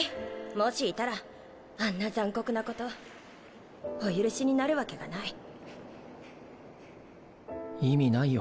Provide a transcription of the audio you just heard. もしいたらあんな残酷なことお許しになるわけがないはぁはぁはぁ意味ないよ